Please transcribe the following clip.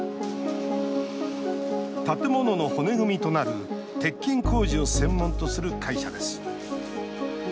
建物の骨組みとなる鉄筋工事を専門とする会社です。